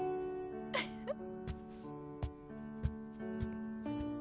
フフッ。